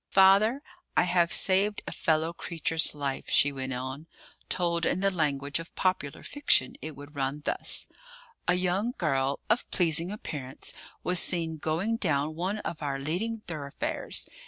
"Father, I have saved a fellow creature's life," she went on. "Told in the language of popular fiction it would run thus: 'A young girl of pleasing appearance was seen going down one of our leading thoroughfares.